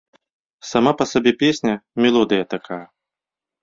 Сама па сабе песня, мелодыя такая.